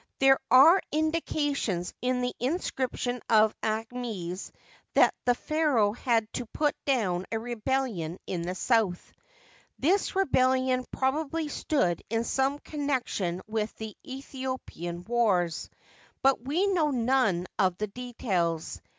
There are indications in the inscription of Aahmes that the pharaoh had to put down a rebellion in the south. This rebellion probably stood in some connection with the Aethiopian wars ; but we know none of the details.